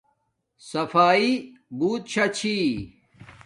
صفاݵݷ بوت شا چھی